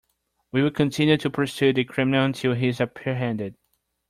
We will continue to pursue the criminal until he is apprehended.